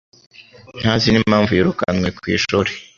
ntazi n'impamvu yirukanwe ku ishuri.